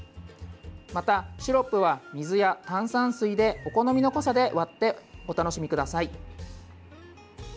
またシロップは、水や炭酸水でお好みの濃さで割ってお楽しみください。